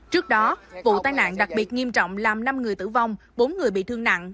trước đó vụ tai nạn đặc biệt nghiêm trọng làm năm người tử vong bốn người bị thương nặng